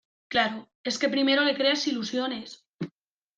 claro, es que primero le creas ilusiones